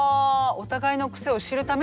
お互いのクセを知るための１回？